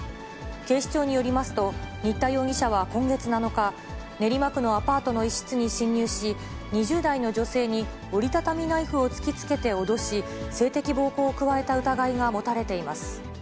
警視庁によりますと、新田容疑者は今月７日、練馬区のアパートの一室に侵入し、２０代の女性に折り畳みナイフを突きつけて脅し、性的暴行を加えた疑いが持たれています。